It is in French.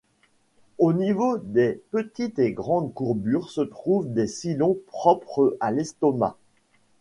Au niveau des petite et grande courbures se trouvent des sillons propres à l'estomac.